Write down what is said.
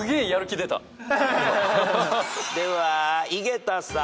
では井桁さん。